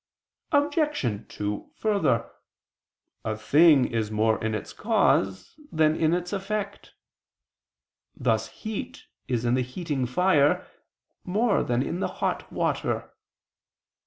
Obj. 2: Further, a thing is more in its cause than in its effect: thus heat is in the heating fire more than in the hot water.